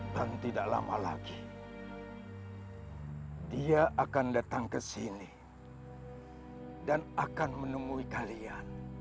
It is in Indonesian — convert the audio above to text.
dan dia kebingungan dengan keindihannya